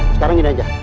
sekarang gini aja